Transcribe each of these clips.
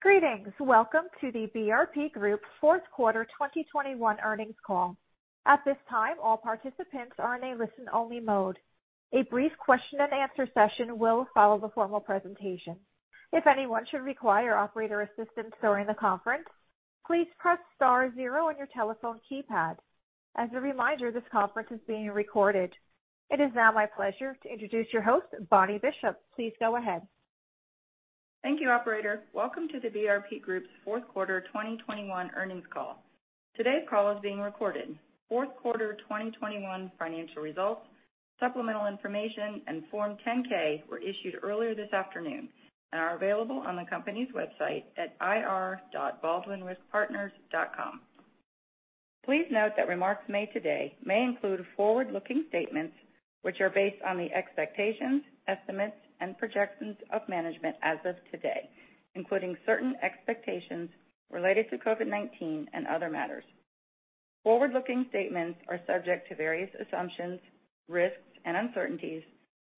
Greetings. Welcome to the BRP Group's fourth quarter 2021 earnings call. At this time, all participants are in a listen-only mode. A brief question and answer session will follow the formal presentation. If anyone should require operator assistance during the conference, please press star zero on your telephone keypad. As a reminder, this conference is being recorded. It is now my pleasure to introduce your host, Bonnie Bishop. Please go ahead. Thank you, operator. Welcome to the BRP Group's fourth quarter 2021 earnings call. Today's call is being recorded. Fourth quarter 2021 financial results, supplemental information, and Form 10-K were issued earlier this afternoon and are available on the company's website at ir.baldwinriskpartners.com. Please note that remarks made today may include forward-looking statements which are based on the expectations, estimates, and projections of management as of today, including certain expectations related to COVID-19 and other matters. Forward-looking statements are subject to various assumptions, risks, and uncertainties,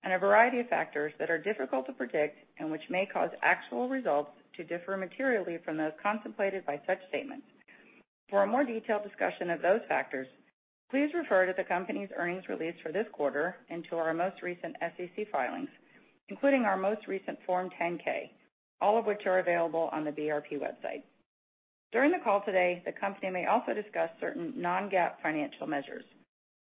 and a variety of factors that are difficult to predict and which may cause actual results to differ materially from those contemplated by such statements. For a more detailed discussion of those factors, please refer to the company's earnings release for this quarter and to our most recent SEC filings, including our most recent Form 10-K, all of which are available on the BRP website. During the call today, the company may also discuss certain non-GAAP financial measures.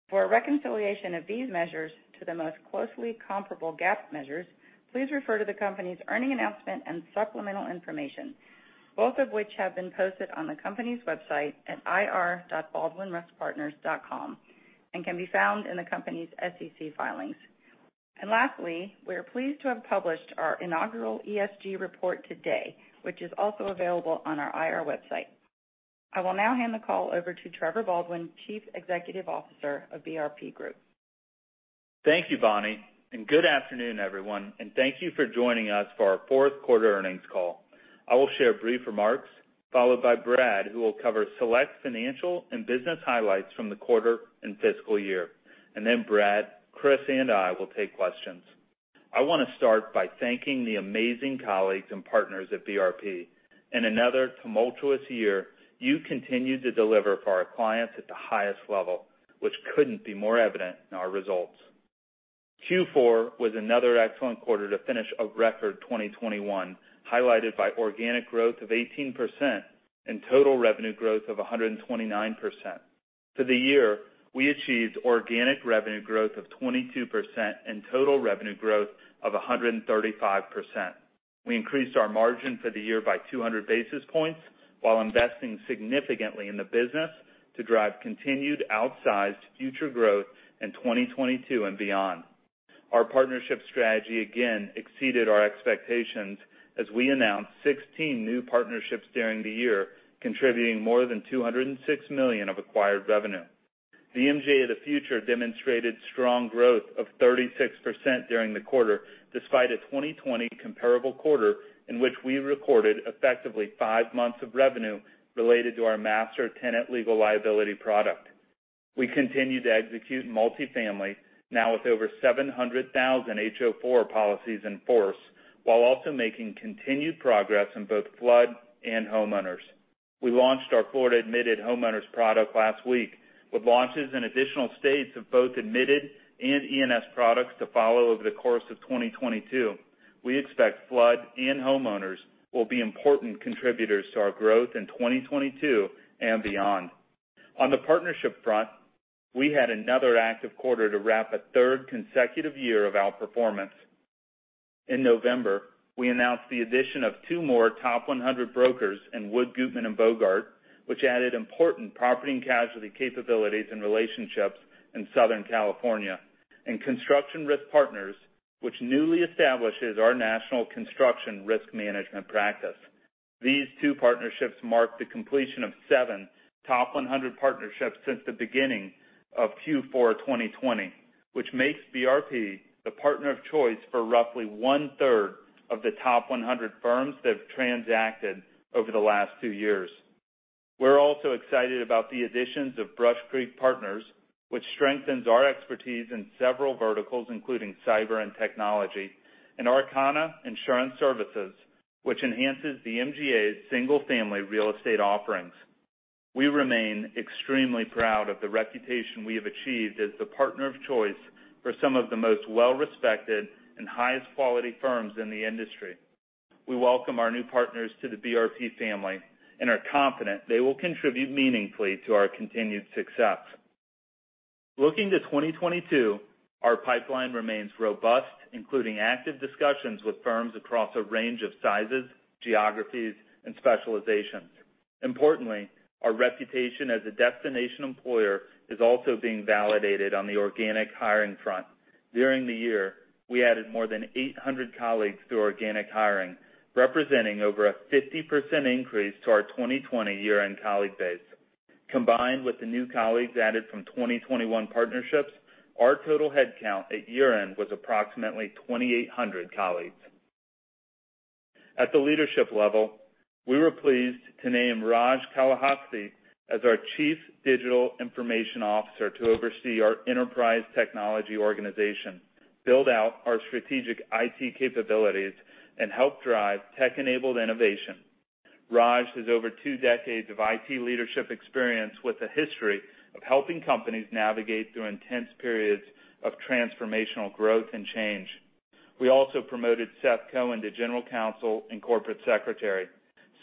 For a reconciliation of these measures to the most closely comparable GAAP measures, please refer to the company's earnings announcement and supplemental information, both of which have been posted on the company's website at ir.baldwinriskpartners.com, and can be found in the company's SEC filings. Lastly, we are pleased to have published our inaugural ESG report today, which is also available on our IR website. I will now hand the call over to Trevor Baldwin, Chief Executive Officer of BRP Group. Thank you, Bonnie, and good afternoon, everyone, and thank you for joining us for our fourth quarter earnings call. I will share brief remarks, followed by Brad, who will cover select financial and business highlights from the quarter and fiscal year. Then Brad, Kris, and I will take questions. I want to start by thanking the amazing colleagues and partners at BRP. In another tumultuous year, you continued to deliver for our clients at the highest level, which couldn't be more evident in our results. Q4 was another excellent quarter to finish a record 2021, highlighted by organic growth of 18% and total revenue growth of 129%. For the year, we achieved organic revenue growth of 22% and total revenue growth of 135%. We increased our margin for the year by 200 basis points while investing significantly in the business to drive continued outsized future growth in 2022 and beyond. Our partnership strategy again exceeded our expectations as we announced 16 new partnerships during the year, contributing more than $206 million of acquired revenue. The MGA of the Future demonstrated strong growth of 36% during the quarter, despite a 2020 comparable quarter in which we recorded effectively five months of revenue related to our master tenant legal liability product. We continue to execute multifamily now with over 700,000 HO-4 policies in force, while also making continued progress in both flood and homeowners. We launched our Florida admitted homeowners product last week, with launches in additional states of both admitted and E&S products to follow over the course of 2022. We expect flood and homeowners will be important contributors to our growth in 2022 and beyond. On the partnership front, we had another active quarter to wrap a third consecutive year of outperformance. In November, we announced the addition of two more top 100 brokers in Wood Gutmann & Bogart, which added important property and casualty capabilities and relationships in Southern California, and Construction Risk Partners, which newly establishes our national construction risk management practice. These two partnerships mark the completion of seven top 100 partnerships since the beginning of Q4 2020, which makes BRP the partner of choice for roughly one-third of the top 100 firms that have transacted over the last two years. We're also excited about the additions of Brush Creek Partners, which strengthens our expertise in several verticals, including cyber and technology, and Arcana Insurance Services, which enhances the MGA's single family real estate offerings. We remain extremely proud of the reputation we have achieved as the partner of choice for some of the most well-respected and highest quality firms in the industry. We welcome our new partners to the BRP family and are confident they will contribute meaningfully to our continued success. Looking to 2022, our pipeline remains robust, including active discussions with firms across a range of sizes, geographies, and specializations. Importantly, our reputation as a destination employer is also being validated on the organic hiring front. During the year, we added more than 800 colleagues through organic hiring, representing over a 50% increase to our 2020 year-end colleague base. Combined with the new colleagues added from 2021 partnerships, our total headcount at year-end was approximately 2,800 colleagues. At the leadership level. We were pleased to name Rajasekhar Kalahasthi as our Chief Digital & Information Officer to oversee our enterprise technology organization, build out our strategic IT capabilities, and help drive tech-enabled innovation. Raj has over two decades of IT leadership experience with a history of helping companies navigate through intense periods of transformational growth and change. We also promoted Seth Cohen to General Counsel and Corporate Secretary.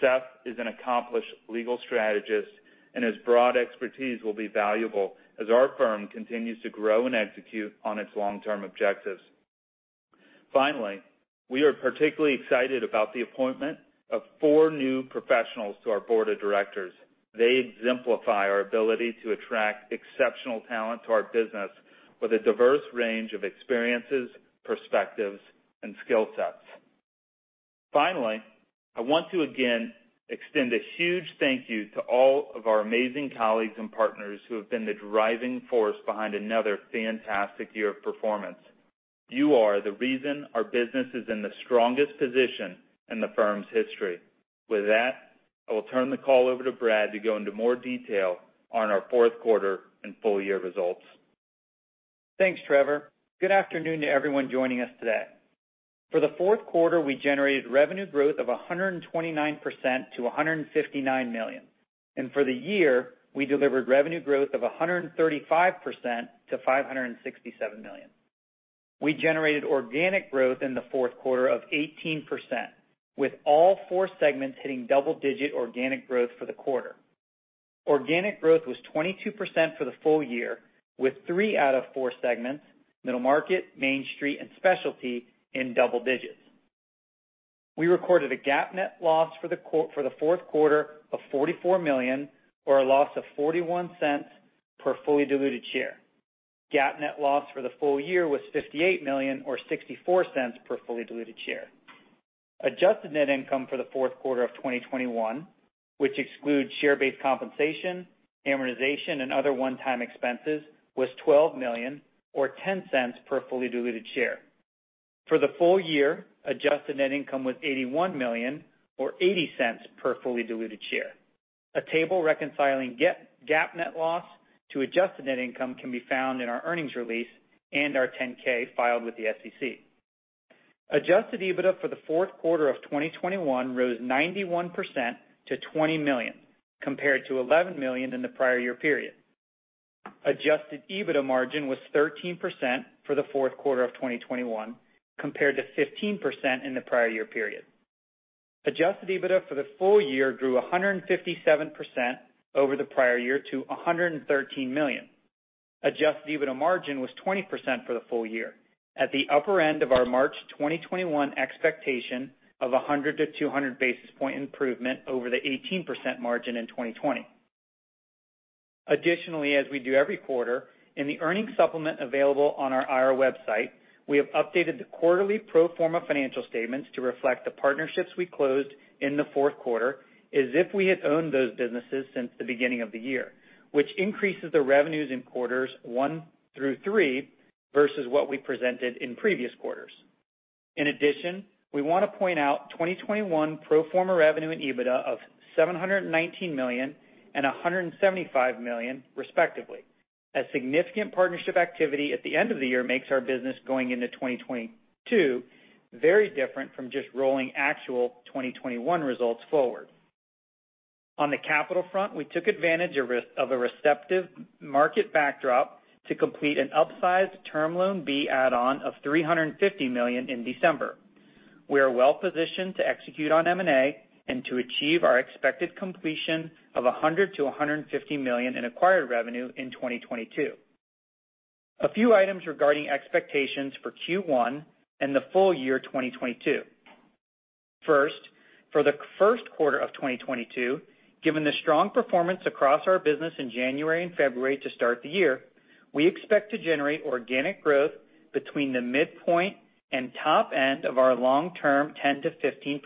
Seth is an accomplished legal strategist, and his broad expertise will be valuable as our firm continues to grow and execute on its long-term objectives. Finally, we are particularly excited about the appointment of four new professionals to our board of directors. They exemplify our ability to attract exceptional talent to our business with a diverse range of experiences, perspectives, and skill sets. Finally, I want to again extend a huge thank you to all of our amazing colleagues and partners who have been the driving force behind another fantastic year of performance. You are the reason our business is in the strongest position in the firm's history. With that, I will turn the call over to Brad to go into more detail on our fourth quarter and full year results. Thanks, Trevor. Good afternoon to everyone joining us today. For the fourth quarter, we generated revenue growth of 129% to $159 million. For the year, we delivered revenue growth of 135% to $567 million. We generated organic growth in the fourth quarter of 18%, with all four segments hitting double-digit organic growth for the quarter. Organic growth was 22% for the full year, with three out of four segments, Middle Market, Mainstreet, and Specialty, in double digits. We recorded a GAAP net loss for the fourth quarter of $44 million or a loss of $0.41 per fully diluted share. GAAP net loss for the full year was $58 million or $0.64 per fully diluted share. Adjusted net income for the fourth quarter of 2021, which excludes share-based compensation, amortization, and other one-time expenses, was $12 million or $0.10 per fully diluted share. For the full year, adjusted net income was $81 million or $0.80 per fully diluted share. A table reconciling GAAP net loss to adjusted net income can be found in our earnings release and our Form 10-K filed with the SEC. Adjusted EBITDA for the fourth quarter of 2021 rose 91% to $20 million, compared to $11 million in the prior year period. Adjusted EBITDA margin was 13% for the fourth quarter of 2021, compared to 15% in the prior year period. Adjusted EBITDA for the full year grew 157% over the prior year to $113 million. Adjusted EBITDA margin was 20% for the full year, at the upper end of our March 2021 expectation of 100-200 basis point improvement over the 18% margin in 2020. Additionally, as we do every quarter, in the earnings supplement available on our IR website, we have updated the quarterly pro forma financial statements to reflect the partnerships we closed in the fourth quarter as if we had owned those businesses since the beginning of the year, which increases the revenues in quarters one through three versus what we presented in previous quarters. In addition, we want to point out 2021 pro forma revenue and EBITDA of $719 million and $175 million, respectively, as significant partnership activity at the end of the year makes our business going into 2022 very different from just rolling actual 2021 results forward. On the capital front, we took advantage of a receptive market backdrop to complete an upsized Term Loan B add-on of $350 million in December. We are well positioned to execute on M&A and to achieve our expected completion of $100 million-$150 million in acquired revenue in 2022. A few items regarding expectations for Q1 and the full year 2022. First, for the first quarter of 2022, given the strong performance across our business in January and February to start the year, we expect to generate organic growth between the midpoint and top end of our long-term 10%-15%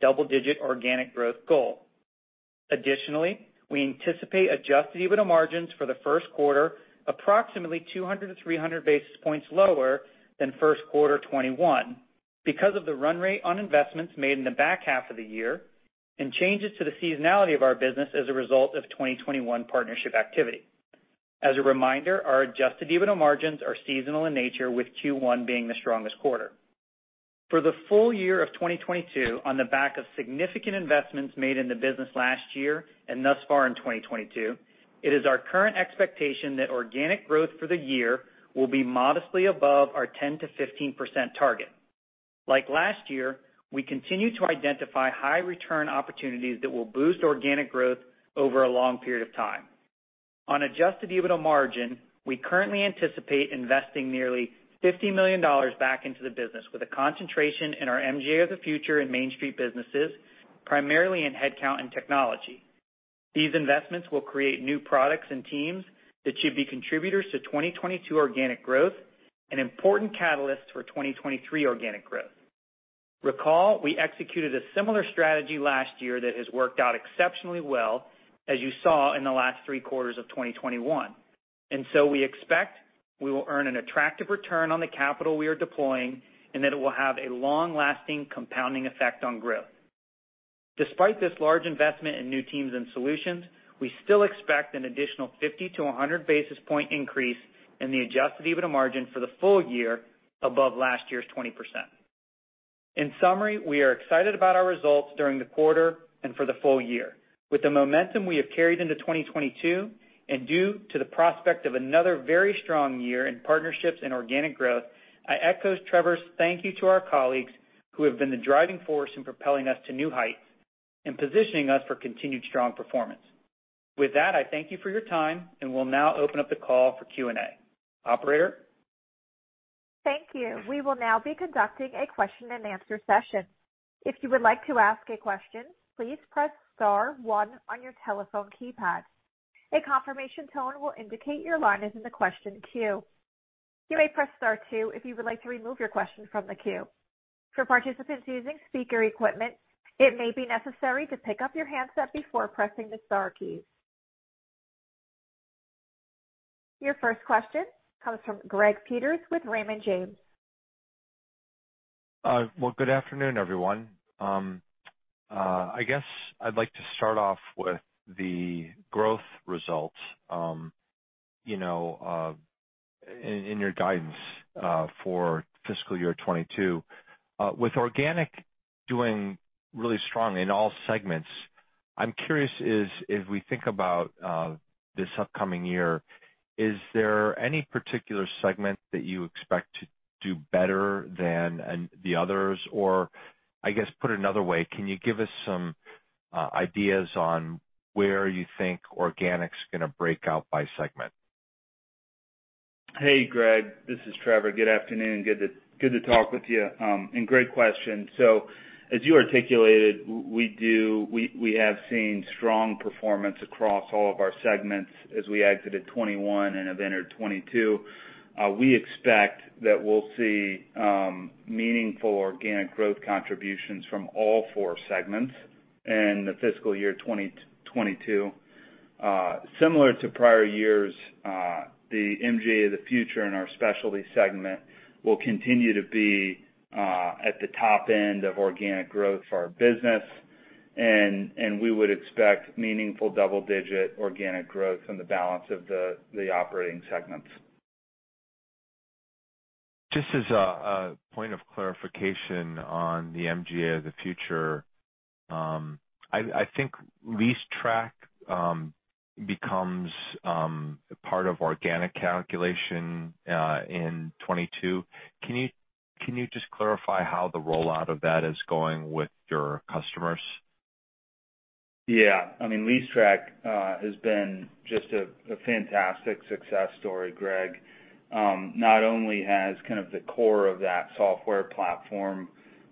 double-digit organic growth goal. Additionally, we anticipate adjusted EBITDA margins for the first quarter approximately 200-300 basis points lower than first quarter 2021 because of the run rate on investments made in the back half of the year and changes to the seasonality of our business as a result of 2021 partnership activity. As a reminder, our adjusted EBITDA margins are seasonal in nature, with Q1 being the strongest quarter. For the full year of 2022, on the back of significant investments made in the business last year and thus far in 2022, it is our current expectation that organic growth for the year will be modestly above our 10%-15% target. Like last year, we continue to identify high return opportunities that will boost organic growth over a long period of time. On adjusted EBITDA margin, we currently anticipate investing nearly $50 million back into the business with a concentration in our MGA of the Future and Mainstreet businesses, primarily in headcount and technology. These investments will create new products and teams that should be contributors to 2022 organic growth and important catalysts for 2023 organic growth. Recall, we executed a similar strategy last year that has worked out exceptionally well as you saw in the last three quarters of 2021. We expect we will earn an attractive return on the capital we are deploying and that it will have a long-lasting compounding effect on growth. Despite this large investment in new teams and solutions, we still expect an additional 50-100 basis point increase in the adjusted EBITDA margin for the full year above last year's 20%. In summary, we are excited about our results during the quarter and for the full year. With the momentum we have carried into 2022 and due to the prospect of another very strong year in partnerships and organic growth, I echo Trevor's thank you to our colleagues who have been the driving force in propelling us to new heights and positioning us for continued strong performance. With that, I thank you for your time, and we'll now open up the call for Q&A. Operator? Thank you. We will now be conducting a question-and-answer session. If you would like to ask a question, please press star one on your telephone keypad. A confirmation tone will indicate your line is in the question queue. You may press star two if you would like to remove your question from the queue. For participants using speaker equipment, it may be necessary to pick up your handset before pressing the star key. Your first question comes from Gregory Peters with Raymond James. Well, good afternoon, everyone. I guess I'd like to start off with the growth results, you know, in your guidance, for fiscal year 2022. With organic doing really strong in all segments, I'm curious is, as we think about, this upcoming year, is there any particular segment that you expect to do better than and the others? I guess put another way, can you give us some ideas on where you think organic's gonna break out by segment? Hey, Greg, this is Trevor. Good afternoon. Good to talk with you. Great question. As you articulated, we have seen strong performance across all of our segments as we exited 2021 and have entered 2022. We expect that we'll see meaningful organic growth contributions from all four segments in the fiscal year 2022. Similar to prior years, the MGA of the Future in our Specialty segment will continue to be at the top end of organic growth for our business, and we would expect meaningful double-digit organic growth in the balance of the operating segments. Just as a point of clarification on the MGA of the Future, I think LeaseTrack becomes a part of organic calculation in 2022. Can you just clarify how the rollout of that is going with your customers? Yeah. I mean, LeaseTrack has been just a fantastic success story, Greg. Not only has kind of the core of that software platform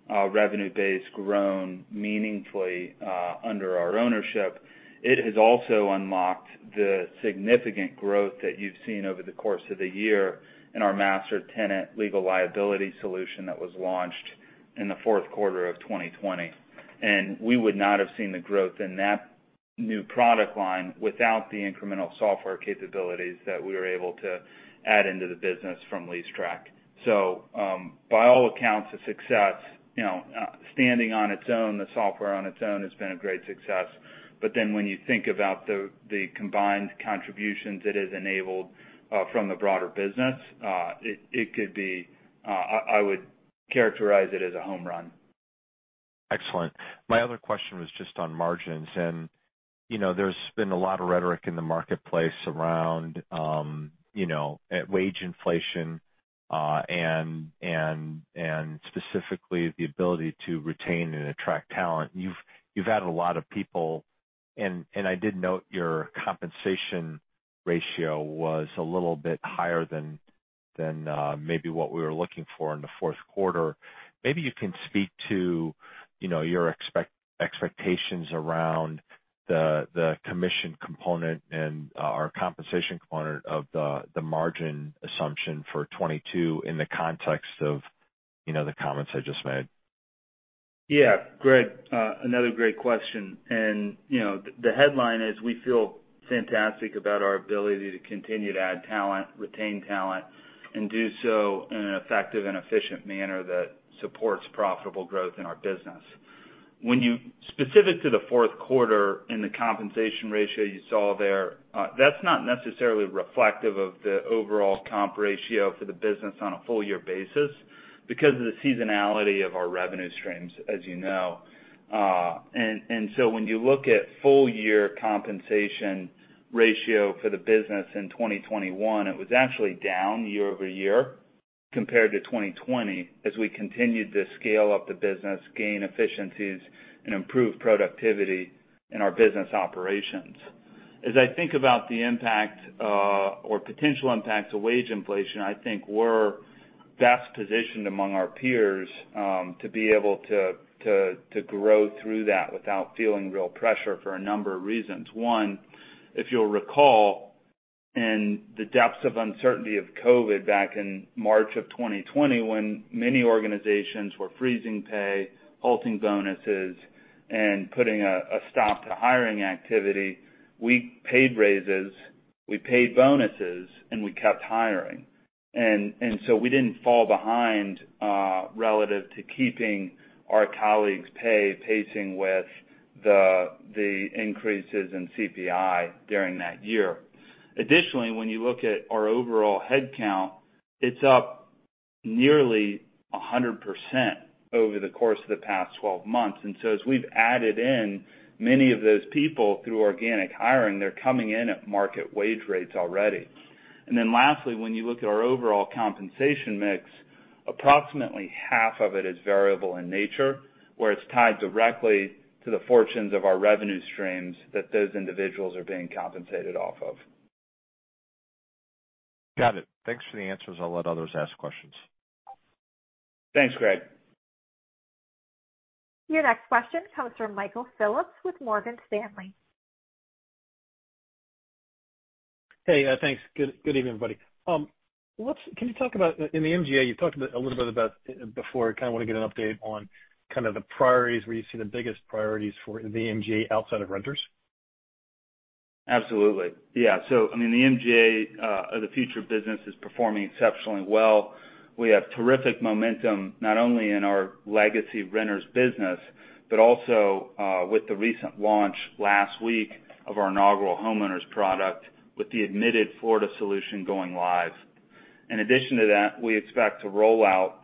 revenue base grown meaningfully under our ownership, it has also unlocked the significant growth that you've seen over the course of the year in our master tenant legal liability solution that was launched in the fourth quarter of 2020. We would not have seen the growth in that new product line without the incremental software capabilities that we were able to add into the business from LeaseTrack. By all accounts, a success. You know, standing on its own, the software on its own has been a great success. When you think about the combined contributions it has enabled from the broader business, it could be. I would characterize it as a home run. Excellent. My other question was just on margins. You know, there's been a lot of rhetoric in the marketplace around, you know, wage inflation, and specifically the ability to retain and attract talent. You've added a lot of people and I did note your compensation ratio was a little bit higher than, maybe what we were looking for in the fourth quarter. Maybe you can speak to, you know, your expectations around the commission component and, or compensation component of the margin assumption for 2022 in the context of, you know, the comments I just made. Yeah. Greg, another great question. You know, the headline is we feel fantastic about our ability to continue to add talent, retain talent, and do so in an effective and efficient manner that supports profitable growth in our business. Specific to the fourth quarter in the compensation ratio you saw there, that's not necessarily reflective of the overall comp ratio for the business on a full-year basis because of the seasonality of our revenue streams, as you know. So when you look at full-year compensation ratio for the business in 2021, it was actually down year-over-year compared to 2020 as we continued to scale up the business, gain efficiencies, and improve productivity in our business operations. As I think about the impact or potential impacts of wage inflation, I think we're best positioned among our peers to be able to grow through that without feeling real pressure for a number of reasons. One, if you'll recall, in the depths of uncertainty of COVID back in March 2020, when many organizations were freezing pay, halting bonuses, and putting a stop to hiring activity, we paid raises, we paid bonuses, and we kept hiring. We didn't fall behind relative to keeping our colleagues pay pacing with the increases in CPI during that year. Additionally, when you look at our overall head count, it's up nearly 100% over the course of the past 12 months. As we've added in many of those people through organic hiring, they're coming in at market wage rates already. Lastly, when you look at our overall compensation mix, approximately half of it is variable in nature, where it's tied directly to the fortunes of our revenue streams that those individuals are being compensated off of. Got it. Thanks for the answers. I'll let others ask questions. Thanks, Greg. Your next question comes from Michael Phillips with Morgan Stanley. Hey, thanks. Good evening, everybody. Can you talk about, in the MGA, you talked a little bit about before, I kinda wanna get an update on kind of the priorities, where you see the biggest priorities for the MGA outside of renters. Absolutely. Yeah. I mean, the MGA of the Future business is performing exceptionally well. We have terrific momentum, not only in our legacy renters business, but also with the recent launch last week of our inaugural homeowners product with the admitted Florida solution going live. In addition to that, we expect to roll out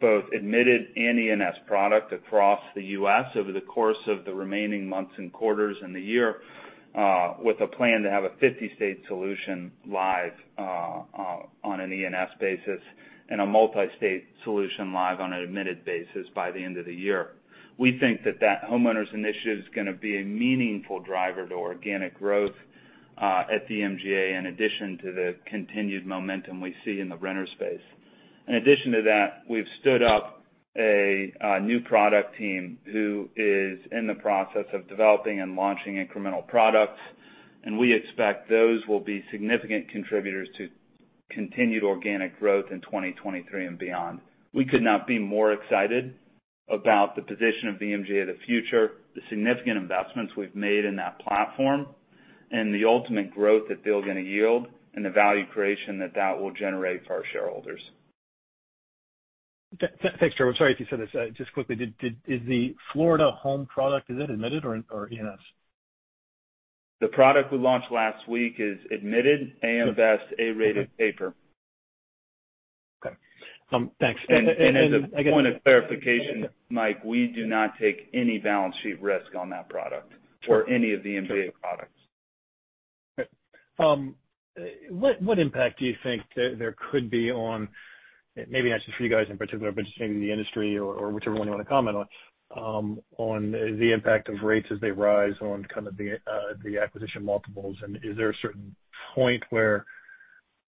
both admitted and E&S product across the U.S. over the course of the remaining months and quarters in the year with a plan to have a 50-state solution live on an E&S basis and a multi-state solution live on an admitted basis by the end of the year. We think that homeowners initiative is gonna be a meaningful driver to organic growth at the MGA, in addition to the continued momentum we see in the renter space. In addition to that, we've stood up a new product team who is in the process of developing and launching incremental products, and we expect those will be significant contributors to continued organic growth in 2023 and beyond. We could not be more excited about the position of the MGA of the Future, the significant investments we've made in that platform, and the ultimate growth that they're gonna yield and the value creation that that will generate for our shareholders. Thanks, Trevor. I'm sorry if you said this. Just quickly, is the Florida home product, is it admitted or E&S? The product we launched last week is admitted AM Best A-rated paper. Okay. Thanks. As a point of clarification, Mike, we do not take any balance sheet risk on that product or any of the MGA products. What impact do you think there could be on maybe not just for you guys in particular, but just maybe the industry or whichever one you wanna comment on the impact of rates as they rise on kind of the acquisition multiples? Is there a certain point where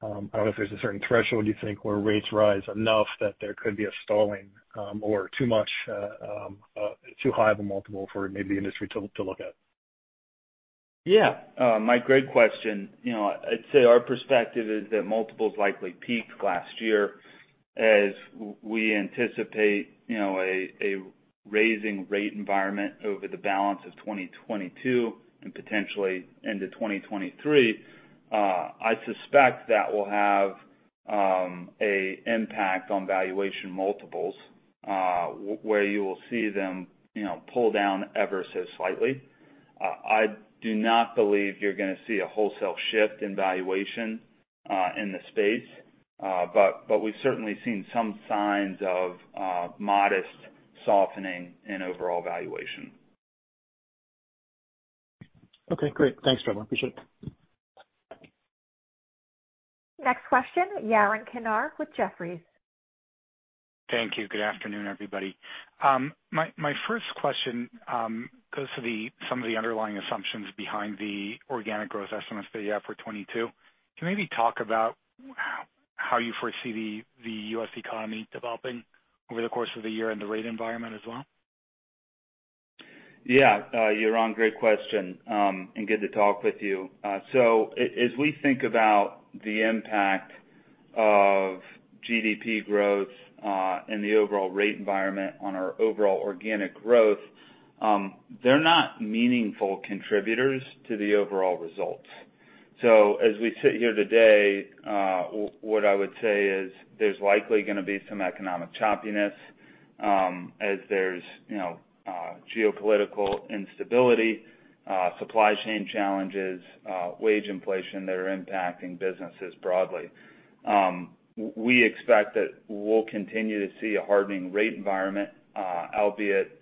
I don't know if there's a certain threshold you think where rates rise enough that there could be a stalling or too high of a multiple for maybe industry to look at? Yeah. Mike, great question. You know, I'd say our perspective is that multiples likely peaked last year as we anticipate, you know, a raising rate environment over the balance of 2022 and potentially into 2023. I suspect that will have a impact on valuation multiples, where you will see them, you know, pull down ever so slightly. I do not believe you're gonna see a wholesale shift in valuation in the space, but we've certainly seen some signs of modest softening in overall valuation. Okay, great. Thanks, Trevor. Appreciate it. Next question, Yaron Kinar with Jefferies. Thank you. Good afternoon, everybody. My first question goes to some of the underlying assumptions behind the organic growth estimates that you have for 2022. Can you maybe talk about how you foresee the U.S. economy developing over the course of the year and the rate environment as well? Yeah. Yaron, great question, and good to talk with you. So as we think about the impact of GDP growth, and the overall rate environment on our overall organic growth, they're not meaningful contributors to the overall results. So as we sit here today, what I would say is there's likely gonna be some economic choppiness, as there's, you know, geopolitical instability, supply chain challenges, wage inflation that are impacting businesses broadly. We expect that we'll continue to see a hardening rate environment, albeit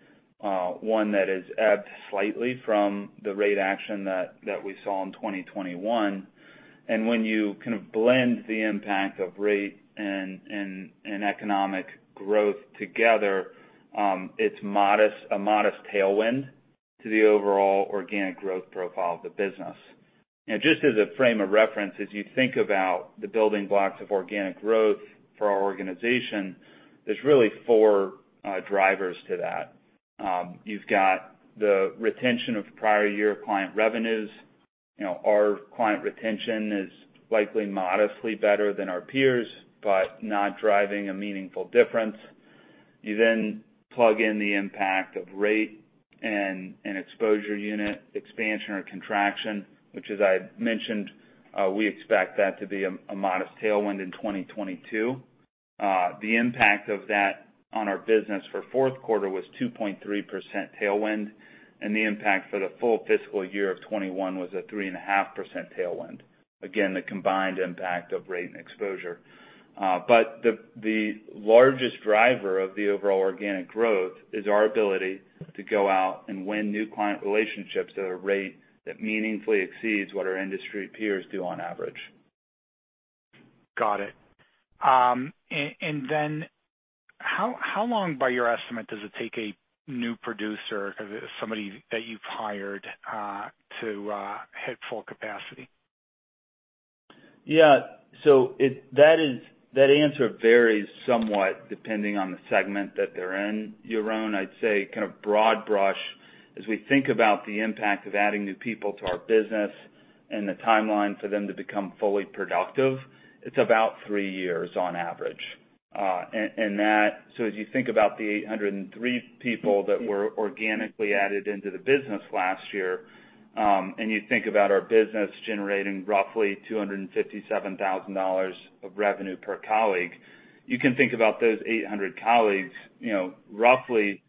one that is ebbed slightly from the rate action that we saw in 2021. When you kind of blend the impact of rate and economic growth together, it's a modest tailwind to the overall organic growth profile of the business. Just as a frame of reference, as you think about the building blocks of organic growth for our organization, there's really four drivers to that. You've got the retention of prior year client revenues. You know, our client retention is likely modestly better than our peers, but not driving a meaningful difference. You then plug in the impact of rate and exposure unit expansion or contraction, which as I mentioned, we expect that to be a modest tailwind in 2022. The impact of that on our business for fourth quarter was 2.3% tailwind, and the impact for the full fiscal year of 2021 was a 3.5% tailwind. Again, the combined impact of rate and exposure. The largest driver of the overall organic growth is our ability to go out and win new client relationships at a rate that meaningfully exceeds what our industry peers do on average. Got it. How long, by your estimate, does it take a new producer, somebody that you've hired, to hit full capacity? That answer varies somewhat depending on the segment that they're in. Yaron, I'd say kind of broad brush as we think about the impact of adding new people to our business and the timeline for them to become fully productive, it's about three years on average. As you think about the 803 people that were organically added into the business last year, and you think about our business generating roughly $257,000 of revenue per colleague, you can think about those 800 colleagues, you know, roughly,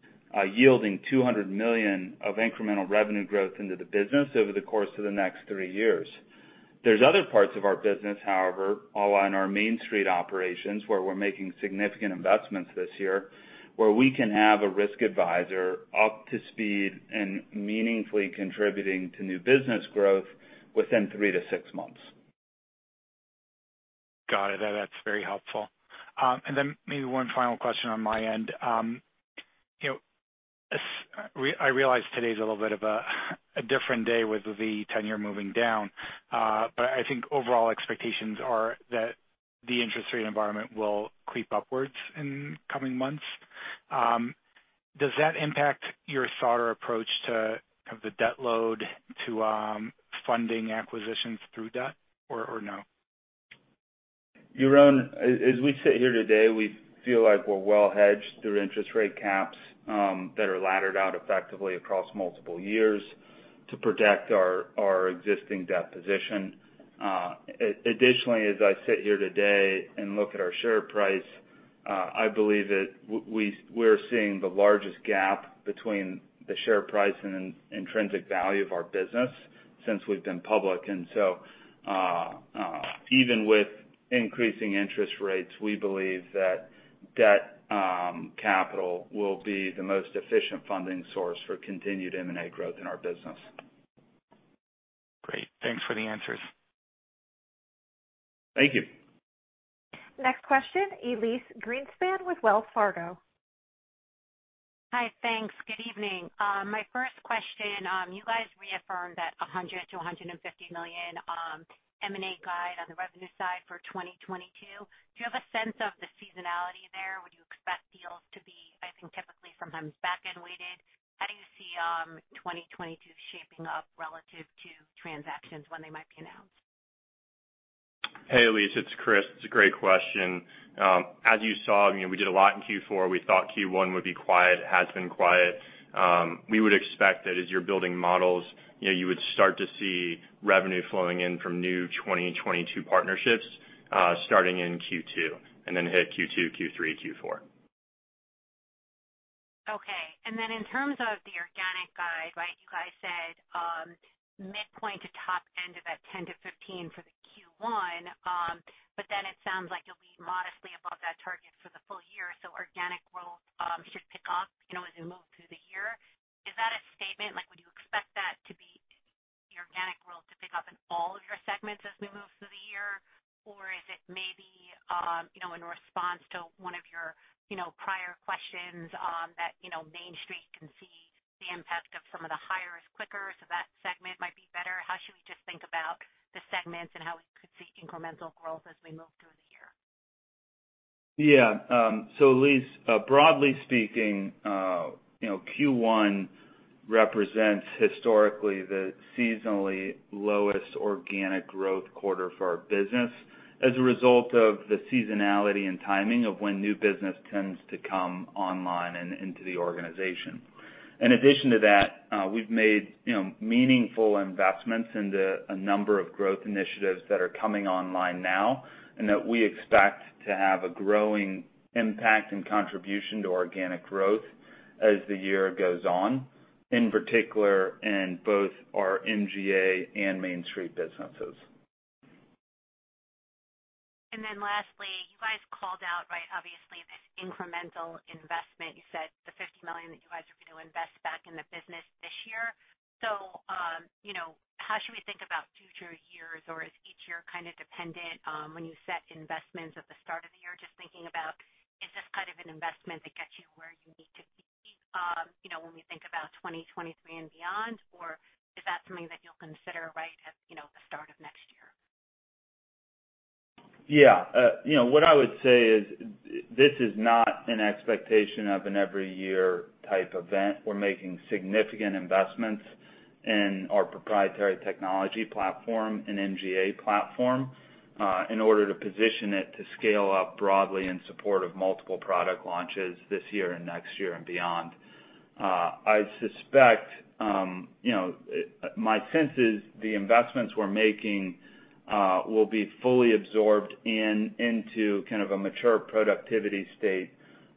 yielding $200 million of incremental revenue growth into the business over the course of the next three years. There's other parts of our business, however, all on our Mainstreet operations, where we're making significant investments this year, where we can have a risk advisor up to speed and meaningfully contributing to new business growth within three-six months. Got it. That's very helpful. Then maybe one final question on my end. I realize today's a little bit of a different day with the ten-year moving down. I think overall expectations are that the interest rate environment will creep upwards in coming months. Does that impact your thought or approach to kind of the debt load to funding acquisitions through debt or no? Yaron, as we sit here today, we feel like we're well hedged through interest rate caps that are laddered out effectively across multiple years to protect our existing debt position. Additionally, as I sit here today and look at our share price, I believe that we're seeing the largest gap between the share price and intrinsic value of our business since we've been public. Even with increasing interest rates, we believe that debt capital will be the most efficient funding source for continued M&A growth in our business. Great. Thanks for the answers. Thank you. Next question, Elyse Greenspan with Wells Fargo. Hi. Thanks. Good evening. My first question, you guys reaffirmed that $100 million-$150 million M&A guide on the revenue side for 2022. Do you have a sense of the seasonality there? Would you expect deals to be, I think, typically sometimes back-end weighted? How do you see 2022 shaping up relative to transactions when they might be announced? Hey, Elyse, it's Kris. It's a great question. As you saw, you know, we did a lot in Q4. We thought Q1 would be quiet. It has been quiet. We would expect that as you're building models, you know, you would start to see revenue flowing in from new 2022 partnerships, starting in Q2 and then hit Q2, Q3, Q4. Okay. Then in terms of the organic guide, right, you guys said, midpoint to top end of that 10%-15% for the Q1. Then it sounds like you'll be modestly above that target for the full year, so organic growth should pick up, you know, as we move through the year. Is that a statement? Like, would you expect that to be the organic growth to pick up in all of your segments as we move through the year? Or is it maybe, you know, in response to one of your, you know, prior questions, that, you know, Mainstreet can see the impact of some of the hires quicker, so that segment might be better? How should we just think about the segments and how we could see incremental growth as we move through the year? Yeah. Elyse, broadly speaking, you know, Q1 represents historically the seasonally lowest organic growth quarter for our business as a result of the seasonality and timing of when new business tends to come online and into the organization. In addition to that, we've made, you know, meaningful investments into a number of growth initiatives that are coming online now, and that we expect to have a growing impact and contribution to organic growth as the year goes on, in particular in both our MGA and Mainstreet businesses. Lastly, you guys called out, right, obviously this incremental investment. You said the $50 million that you guys are going to invest back in the business this year. You know, how should we think about future years or is each year kind of dependent, when you set investments at the start of the year? Just thinking about is this kind of an investment that gets you where you need to be, you know, when we think about 2023 and beyond, or is that something that you'll consider right at, you know, the start of next year? Yeah. You know, what I would say is this is not an expectation of an every year type event. We're making significant investments in our proprietary technology platform and MGA platform, in order to position it to scale up broadly in support of multiple product launches this year and next year and beyond. I suspect, you know, my sense is the investments we're making, will be fully absorbed into kind of a mature productivity state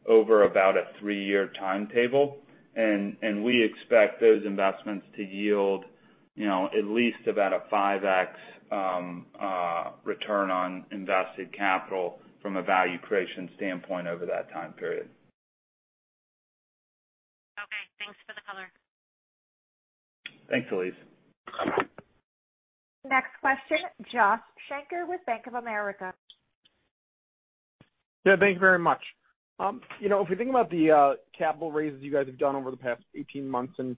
over about a three-year timetable. We expect those investments to yield, you know, at least about a 5x, return on invested capital from a value creation standpoint over that time period. Okay. Thanks for the color. Thanks, Elyse. Next question, Josh Shanker with Bank of America. Yeah, thank you very much. You know, if we think about the capital raises you guys have done over the past 18 months, and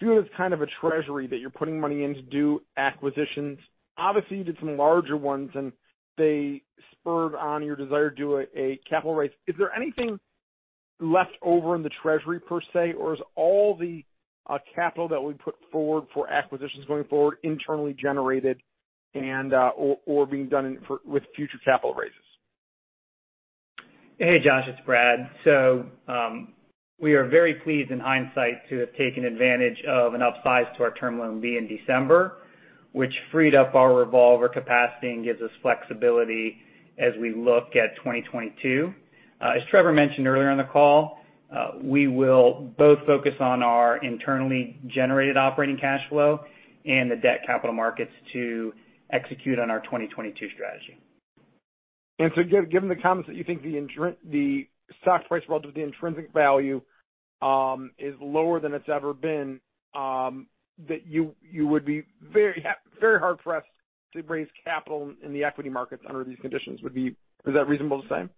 view as kind of a treasury that you're putting money in to do acquisitions, obviously you did some larger ones, and they spurred on your desire to do a capital raise. Is there anything left over in the treasury per se, or is all the capital that we put forward for acquisitions going forward internally generated, or being done with future capital raises? Hey, Josh, it's Brad. We are very pleased in hindsight to have taken advantage of an upsize to our Term Loan B in December, which freed up our revolver capacity and gives us flexibility as we look at 2022. As Trevor mentioned earlier in the call, we will both focus on our internally generated operating cash flow and the debt capital markets to execute on our 2022 strategy. Given the comments that you think the stock price relative to the intrinsic value is lower than it's ever been, that you would be very hard pressed to raise capital in the equity markets under these conditions. Is that reasonable to say?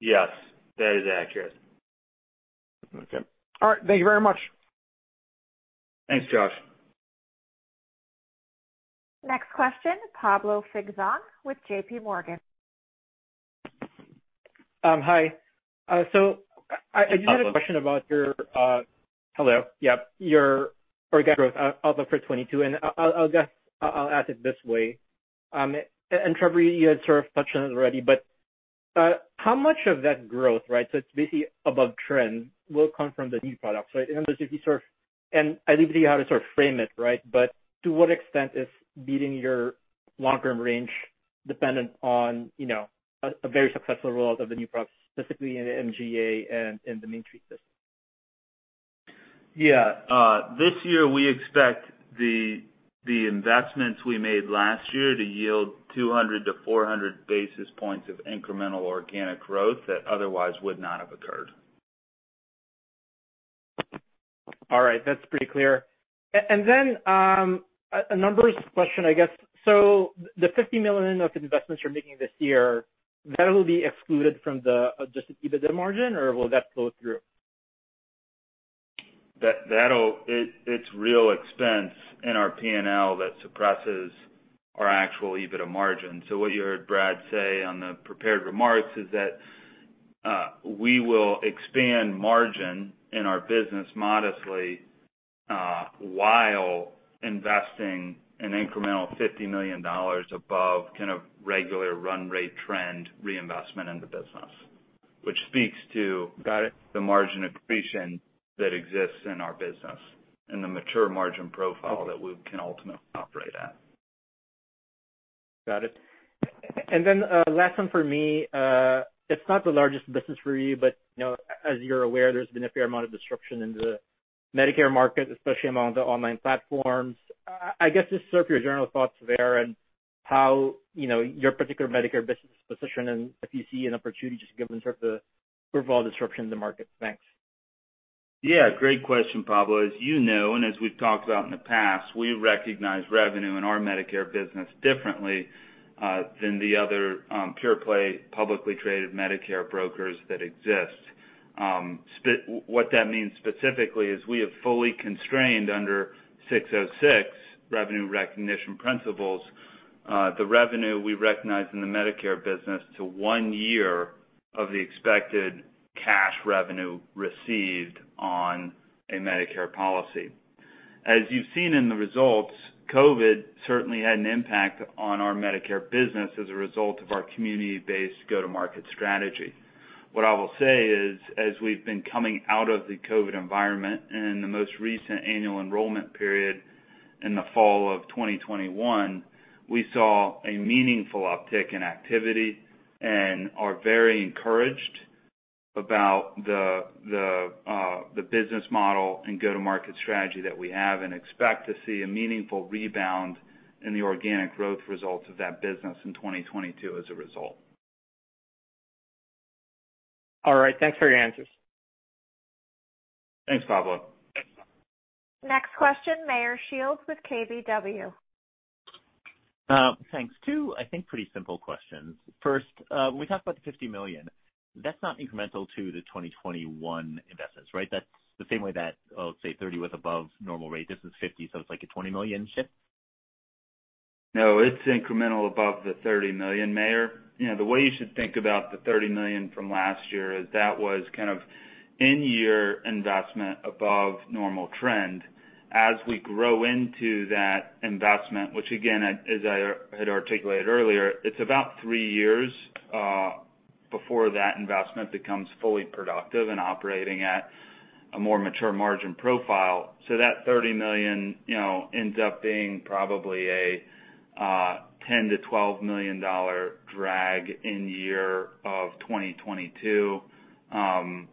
Yes, that is accurate. Okay. All right. Thank you very much. Thanks, Josh. Next question, Pablo Singzon with JPMorgan. Hi. I do have a question about your, Hello. Hello. Yeah. Your organic growth also for 2022, and I'll guess. I'll ask it this way. And Trevor, you had sort of touched on this already, but how much of that growth, right, so it's basically above trend, will come from the new products, right? In other words, I see how to sort of frame it, right? To what extent is beating your long-term range dependent on, you know, a very successful rollout of the new products, specifically in the MGA and in the Mainstreet system? Yeah, this year, we expect the investments we made last year to yield 200-400 basis points of incremental organic growth that otherwise would not have occurred. All right. That's pretty clear. A numbers question, I guess. The $50 million of investments you're making this year, that'll be excluded from the adjusted EBITDA margin, or will that flow through? It's real expense in our P&L that suppresses our actual EBITDA margin. What you heard Brad say on the prepared remarks is that we will expand margin in our business modestly while investing an incremental $50 million above kind of regular run rate trend reinvestment in the business, which speaks to. Got it. The margin accretion that exists in our business and the mature margin profile that we can ultimately operate at. Got it. Last one for me. It's not the largest business for you, but, you know, as you're aware, there's been a fair amount of disruption in the Medicare market, especially among the online platforms. I guess just sort of your general thoughts there and how, you know, your particular Medicare business is positioned, and if you see an opportunity just given sort of the overall disruption in the market. Thanks. Yeah, great question, Pablo. As you know, and as we've talked about in the past, we recognize revenue in our Medicare business differently than the other pure play, publicly traded Medicare brokers that exist. What that means specifically is we have fully constrained under 606 revenue recognition principles the revenue we recognize in the Medicare business to one year of the expected cash revenue received on a Medicare policy. As you've seen in the results, COVID certainly had an impact on our Medicare business as a result of our community-based go-to-market strategy. What I will say is, as we've been coming out of the COVID environment and in the most recent annual enrollment period in the fall of 2021, we saw a meaningful uptick in activity and are very encouraged about the business model and go-to-market strategy that we have and expect to see a meaningful rebound in the organic growth results of that business in 2022 as a result. All right. Thanks for your answers. Thanks, Pablo. Next question, Meyer Shields with KBW. Thanks. Two, I think pretty simple questions. First, when we talk about the $50 million, that's not incremental to the 2021 investments, right? That's the same way that, let's say 30 was above normal rate, this is 50, so it's like a $20 million shift? No, it's incremental above the $30 million, Meyer. You know, the way you should think about the $30 million from last year is that was kind of in-year investment above normal trend. As we grow into that investment, which again, as I had articulated earlier, it's about three years before that investment becomes fully productive and operating at a more mature margin profile. That $30 million, you know, ends up being probably a $10 million-$12 million drag in year of 2022, and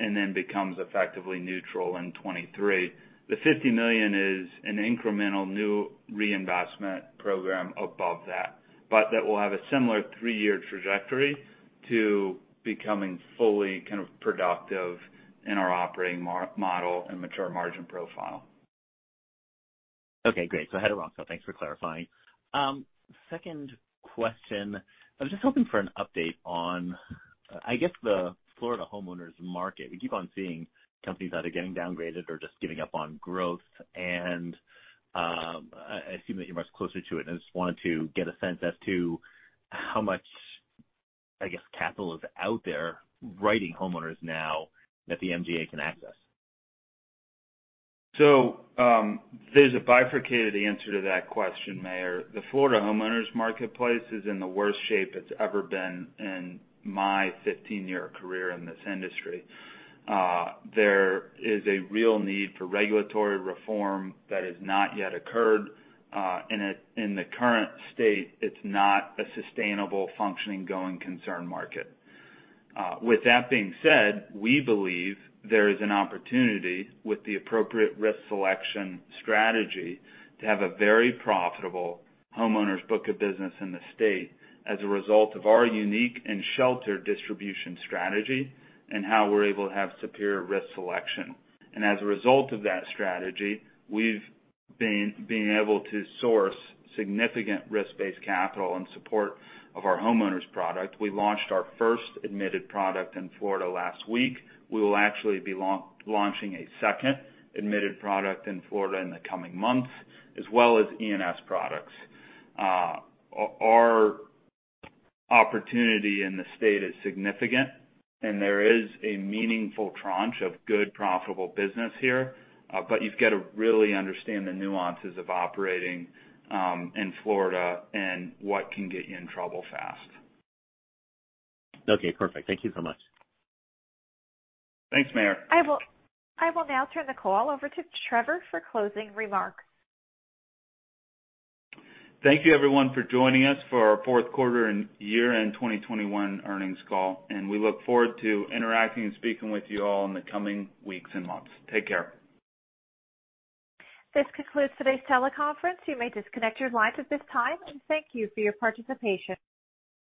then becomes effectively neutral in 2023. The $50 million is an incremental new reinvestment program above that. That will have a similar three-year trajectory to becoming fully kind of productive in our operating model and mature margin profile. Okay, great. I had it wrong. Thanks for clarifying. Second question. I was just hoping for an update on, I guess, the Florida homeowners market. We keep on seeing companies either getting downgraded or just giving up on growth and, I assume that you're much closer to it, and I just wanted to get a sense as to how much, I guess, capital is out there writing homeowners now that the MGA can access. There's a bifurcated answer to that question, Meyer. The Florida homeowners marketplace is in the worst shape it's ever been in my 15-year career in this industry. There is a real need for regulatory reform that has not yet occurred, in the current state, it's not a sustainable functioning going concern market. With that being said, we believe there is an opportunity with the appropriate risk selection strategy to have a very profitable homeowner's book of business in the state as a result of our unique and sheltered distribution strategy and how we're able to have superior risk selection. As a result of that strategy, we've been being able to source significant risk-based capital in support of our homeowners product. We launched our first admitted product in Florida last week. We will actually be launching a second admitted product in Florida in the coming months, as well as E&S products. Our opportunity in the state is significant, and there is a meaningful tranche of good, profitable business here. But you've got to really understand the nuances of operating in Florida and what can get you in trouble fast. Okay, perfect. Thank you so much. Thanks, Meyer. I will now turn the call over to Trevor for closing remarks. Thank you everyone for joining us for our fourth quarter and year-end 2021 earnings call, and we look forward to interacting and speaking with you all in the coming weeks and months. Take care. This concludes today's teleconference. You may disconnect your lines at this time, and thank you for your participation.